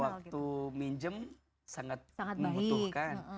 waktu minjem sangat membutuhkan